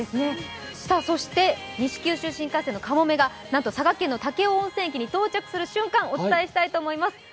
そして西九州新幹線かもめが佐賀県の武雄温泉駅に到着する瞬間をお伝えしたいと思います。